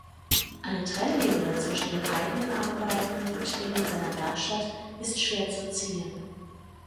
Eine Trennlinie zwischen den eigenen Arbeiten und denen seiner Werkstatt ist schwer zu ziehen.